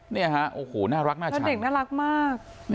เนี่ยฮะโอ้โหน่ารักน่าชอบเด็กน่ารักมาก